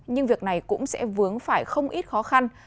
nhưng việc này cũng sẽ vướng phải không ít khó khăn